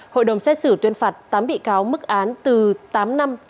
hội đồng xét xử tuyên phạt tám bị cáo mức án từ tám năm